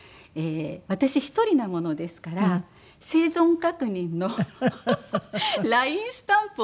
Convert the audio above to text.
私１人なものですから生存確認のＬＩＮＥスタンプを毎日送ってくれます。